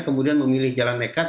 kemudian memilih jalan nekat